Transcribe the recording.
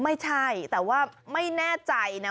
ไม่ใช่แต่ว่าไม่แน่ใจนะ